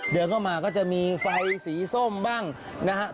เดินเข้ามาก็จะมีไฟสีส้มบ้างนะครับ